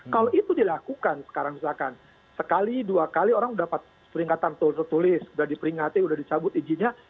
kalau itu dilakukan sekarang misalkan sekali dua kali orang dapat peringatan tertulis sudah diperingati sudah dicabut izinnya